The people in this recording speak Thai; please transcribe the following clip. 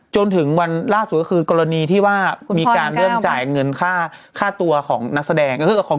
จนถึงวันล่าสุดก็คือกรณีที่ว่ามีการเริ่มจ่ายเงินค่าตัวของนักแสดง